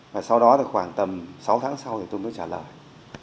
và sau đó thì khoảng tầm sáu tháng sau thì tôi mới trả lời